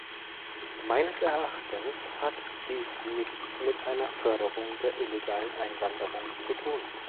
Meines Erachtens hat dies nichts mit einer Förderung der illegalen Einwanderung zu tun.